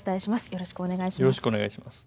よろしくお願いします。